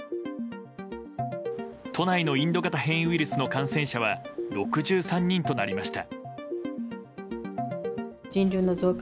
都内のインド型変異ウイルスの感染者は６３人となりました。